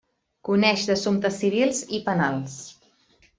Coneix d'assumptes civils i penals.